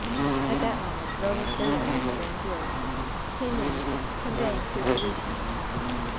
At that moment Roland Bayard and Grandiere came in, convoying two policemen.